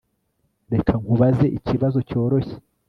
Reka nkubaze ikibazo cyoroshye